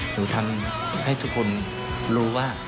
หนูทำให้ทุกคนรู้ว่า